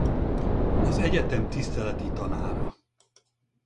Az egyetem tiszteleti tanára.